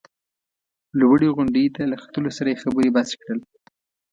لوړې غونډۍ ته له ختو سره یې خبرې بس کړل.